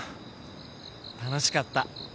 楽しかった。